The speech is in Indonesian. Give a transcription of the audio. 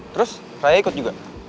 terus raya ikut juga